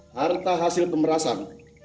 harta hasil pemerasan